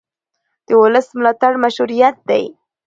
د ولس ملاتړ مشروعیت دی